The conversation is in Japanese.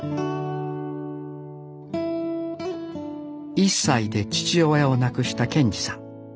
１歳で父親を亡くした賢次さん。